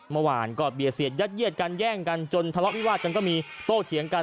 เมื่อวานก็เบียดเสียดยัดเยียดกันแย่งกันจนทะเลาะวิวาดกันก็มีโต้เถียงกัน